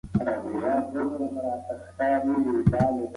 هغې وویل چې زه ستا په وړاندې ناسته یم.